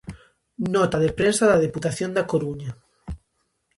Nota de prensa da Deputación da Coruña.